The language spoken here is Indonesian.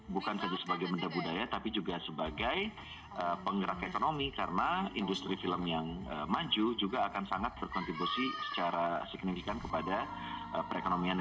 bukan saja sebagai benda budaya tapi juga sebagai penggerak ekonomi karena industri film yang maju juga akan sangat berkontribusi secara signifikan kepada perekonomiannya